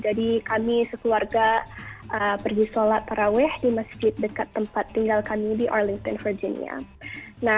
jadi kami sekeluarga pergi sholat paraweh di masjid dekat tempat tinggal kami di arlington virginia